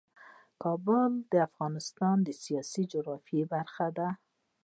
کابل د افغانستان د سیاسي جغرافیه برخه ده.